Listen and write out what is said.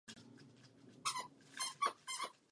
Děkuji vám, pane ministře, moje poznámka nebyla mířena na vás.